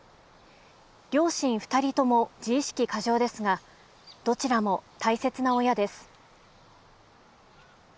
両親２人とも自意識過剰ですがどちらも大切な親です」。